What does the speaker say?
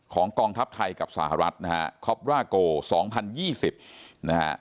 ของกองทัพไทยกับสหรัฐนะฮะครอบราโกสองพันยี่สิบนะฮะ